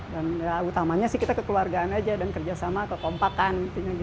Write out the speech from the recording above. dan ya utamanya sih kita kekeluargaan aja dan kerja sama kekompakan